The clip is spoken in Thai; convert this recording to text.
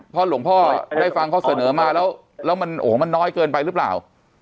พอหลวงพ่อได้ฟังข้อเสนอมาแล้วมันน้อยเกินไปหรือเปล่า